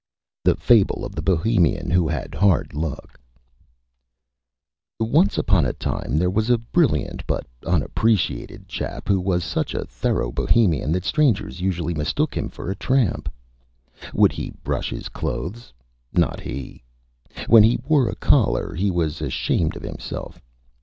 _ THE FABLE OF THE BOHEMIAN WHO HAD HARD LUCK Once upon a Time there was a Brilliant but Unappreciated Chap who was such a Thorough Bohemian that Strangers usually mistook him for a Tramp. Would he brush his Clothes? Not he. When he wore a Collar he was Ashamed of himself.